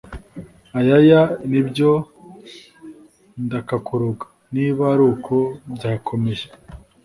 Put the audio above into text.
ayaya nibyo ndakakuroga niba aruko byakomeye"